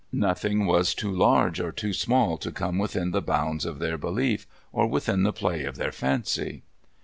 Nothing was too large or too small to come within the bounds of their beliefs, or within the play of their fancy.